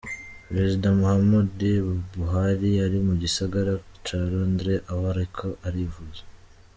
Prezida Muhammadu Buhari ari mu gisagara ca Londres aho ariko arivuza.